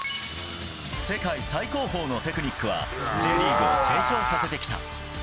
世界最高峰のテクニックは、Ｊリーグを成長させてきた。